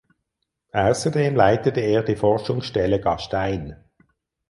Außerdem leitete er die Forschungsstelle Gastein.